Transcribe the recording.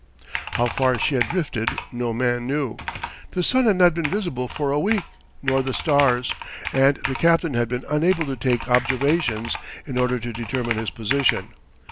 How far she had drifted no man knew. The sun had not been visible for a week, nor the stars, and the captain had been unable to take observations in order to determine his position.